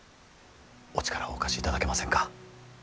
お力をお貸しいただけませんか。